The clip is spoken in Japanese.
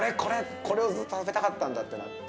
これをずっと食べたかったんだってなって。